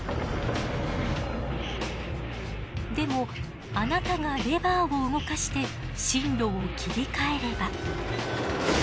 でもあなたがレバーを動かして進路を切り替えれば。